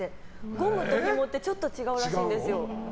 ゴムと、ひもってちょっと違うらしいんですよ。